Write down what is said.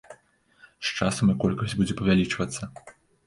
З часам іх колькасць будзе павялічвацца.